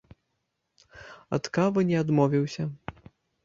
Ад кавы не адмовіўся.